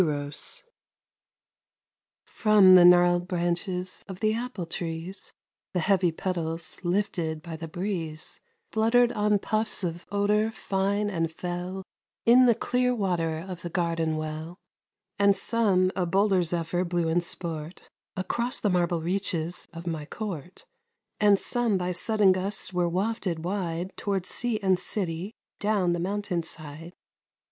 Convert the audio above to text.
EROS From the gnarled branches of the apple trees The heavy petals, lifted by the breeze, Fluttered on puffs of odor fine and fell In the clear water of the garden well; And some a bolder zephyr blew in sport Across the marble reaches of my court, And some by sudden gusts were wafted wide Toward sea and city, down the mountain side.